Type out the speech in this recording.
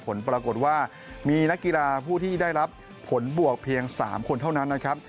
ผลปรากฏว่ามีนักกีฬาผู้ที่ได้รับผลบวกเพียง๓คนเท่านั้นนะครับ